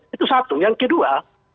itu satu yang kedua